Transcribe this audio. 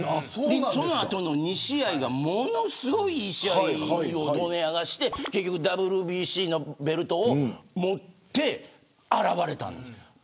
その後の２試合がものすごいいい試合をドネアがして、結局、ＷＢＣのベルトを持って現れたんです。